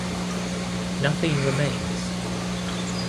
Nothing remains.